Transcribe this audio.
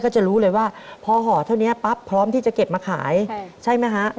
จะรู้เลยว่าพอห่อเท่านี้ปั๊บพร้อมที่จะเก็บมาขายใช่ไหมฮะ